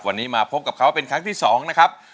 วันนี้มาพบกับเขาเป็นครั้งที่๒นะครับ